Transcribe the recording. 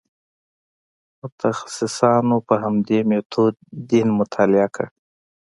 متخصصانو په همدې میتود دین مطالعه کړ.